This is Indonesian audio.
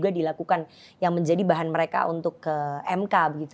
ada kecurangan kecurangan yang diduga dilakukan yang menjadi bahan mereka untuk ke mk gitu